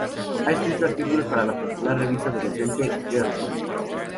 Ha escrito artículos para la popular revista adolescente "Girlfriend".